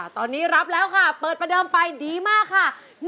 ตอนนี้รับแล้วค่ะเปิดประเดิมไปดีมากค่ะ